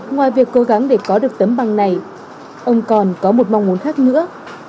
ngoài việc cố gắng để có được tấm bằng này ông còn có một mong muốn khác nữa